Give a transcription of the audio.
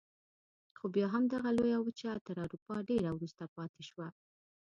خو بیا هم دغه لویه وچه تر اروپا ډېره وروسته پاتې شوه.